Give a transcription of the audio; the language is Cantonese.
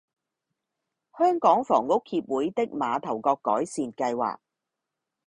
香港房屋協會的馬頭角改善計劃